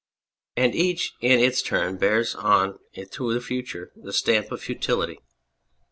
And each in its turn bears on into its future the stamp of futility.